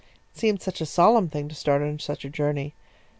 It seemed a solemn thing to start on such a journey.